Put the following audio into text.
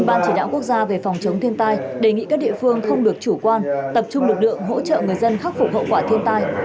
ban chỉ đạo quốc gia về phòng chống thiên tai đề nghị các địa phương không được chủ quan tập trung lực lượng hỗ trợ người dân khắc phục hậu quả thiên tai